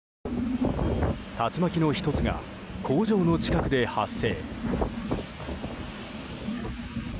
竜巻の１つが工場の近くで発生。